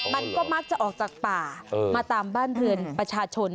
มันก็มักจะออกจากป่ามาตามบ้านเรือนประชาชน